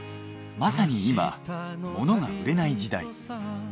まさに今モノが売れない時代。